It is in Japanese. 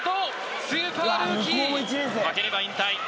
負ければ引退。